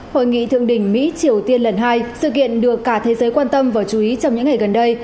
hội nghị thượng đỉnh mỹ triều tiên lần hai sự kiện được cả thế giới quan tâm và chú ý trong những ngày gần đây